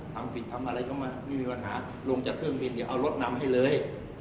ทำผิดทำอะไรก็ไม่มีปัญหาลงจากเครื่องบินเดี๋ยวเอารถนำให้เลย